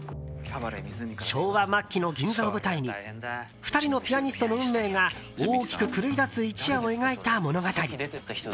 昭和末期の銀座を舞台に２人のピアニストの運命が大きく狂いだす一夜を描いた物語。